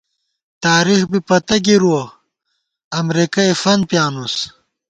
تارېخ بی پتہ گِرُوَہ، امرېکَئے فنت پِیانُوس